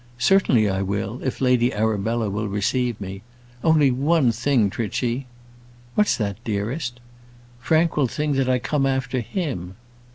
"Certainly I will, if Lady Arabella will receive me; only one thing, Trichy." "What's that, dearest?" "Frank will think that I come after him."